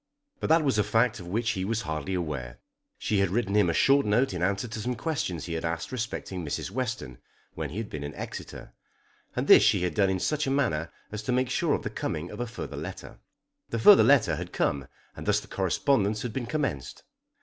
But that was a fact of which he was hardly aware. She had written him a short note in answer to some questions he had asked respecting Mrs. Western when he had been in Exeter, and this she had done in such a manner as to make sure of the coming of a further letter. The further letter had come and thus the correspondence had been commenced.